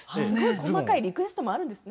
細かいリクエストがあるんですね。